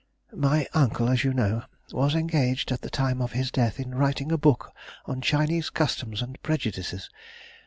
My uncle, as you know, was engaged at the time of his death in writing a book on Chinese customs and prejudices.